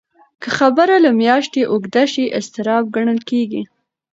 که خبره له میاشتې اوږده شي، اضطراب ګڼل کېږي.